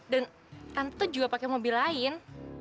dan tante tuh juga pakai mobil lain